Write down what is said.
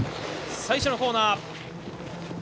最初のコーナー。